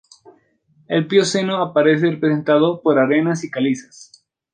El Plioceno aparece representado por arenas y calizas.